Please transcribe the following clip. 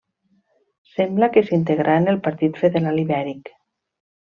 Sembla que s'integrà en el Partit Federal Ibèric.